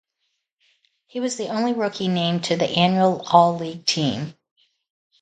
He was the only rookie named to the annual all-league team.